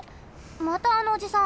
またあのおじさん。